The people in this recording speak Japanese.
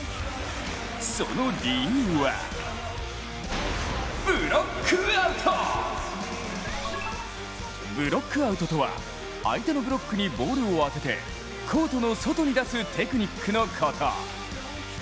その理由はブロックアウトとは、相手のブロックにボールを当ててコートの外に出すテクニックのこと。